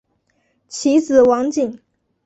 其子王景。